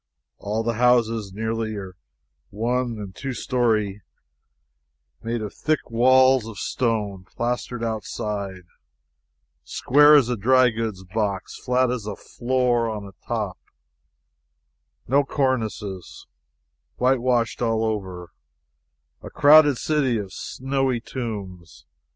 All the houses nearly are one and two story, made of thick walls of stone, plastered outside, square as a dry goods box, flat as a floor on top, no cornices, whitewashed all over a crowded city of snowy tombs!